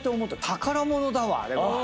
宝物だわあれ。